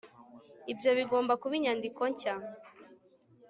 ibyo bigomba kuba inyandiko nshya